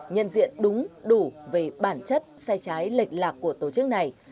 nhân diện đúng đủ về bản chất sai trái lệch lạc của tổ chức này